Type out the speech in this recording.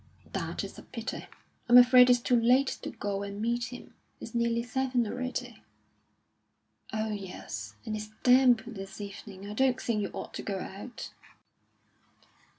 "That is a pity. I'm afraid it's too late to go and meet him; it's nearly seven already." "Oh, yes; and it's damp this evening. I don't think you ought to go out."